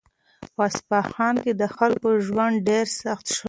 په اصفهان کې د خلکو ژوند ډېر سخت شوی و.